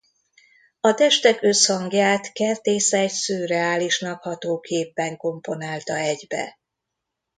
A testek összhangját Kertész egy szürreálisnak ható képben komponálta egybe.